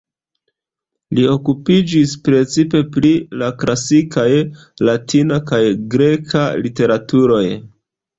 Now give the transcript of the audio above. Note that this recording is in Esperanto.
Li okupiĝis precipe pri la klasikaj latina kaj greka literaturoj.